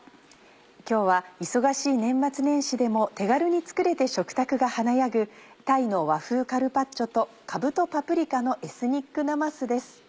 今日は忙しい年末年始でも手軽に作れて食卓が華やぐ「鯛の和風カルパッチョ」と「かぶとパプリカのエスニックなます」です。